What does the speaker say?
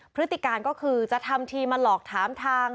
พฤติการก็คือจะทำทีมาหลอกถามทาง